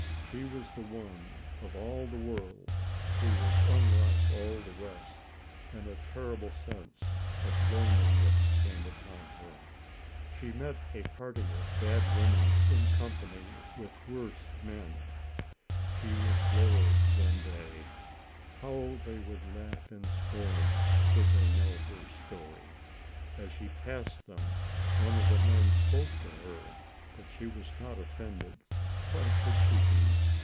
She was the one, of all the world, who was unlike all the rest, and a terrible sense of loneliness came upon her. She met a party of bad wpmen in company with worse men. ALICE ; OR, THE WAGES OF SIN. Ill She was lower than they. How they would laugh in scorn, could they know her story. As she passed them, one of the men spoke to her, but she was not offended. Why should she be